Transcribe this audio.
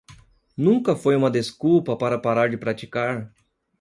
Nunca foi uma desculpa para parar de praticar